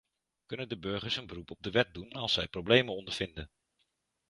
Kunnen de burgers een beroep op de wet doen als zij problemen ondervinden?